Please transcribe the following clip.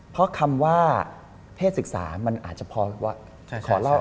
เพราะคำว่าเพศศึกษามันอาจจะพอเล่า